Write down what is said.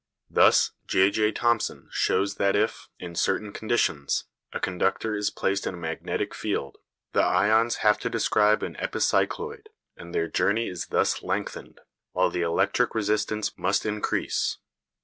Thus J.J. Thomson shows that if, in certain conditions, a conductor is placed in a magnetic field, the ions have to describe an epicycloid, and their journey is thus lengthened, while the electric resistance must increase.